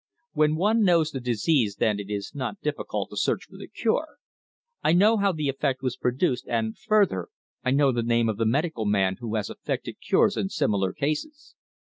When one knows the disease then it is not difficult to search for the cure. I know how the effect was produced, and further, I know the name of the medical man who has effected cures in similar cases."